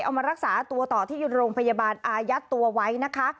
เอามารักษาตัวต่อที่โรงพยาบาลอายัดตัวไว้นะคะ